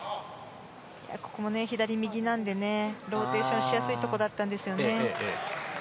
ここも左、右なのでローテーションしやすいところだったんですよね。